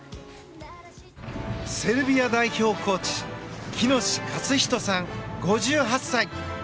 セルビア代表コーチ喜熨斗勝史さん、５８歳。